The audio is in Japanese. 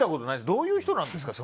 どういう人なんですか？